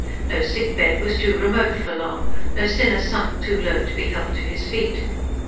No sick bed was too remote for Long, no sinner sunk too low to be helped to his feet.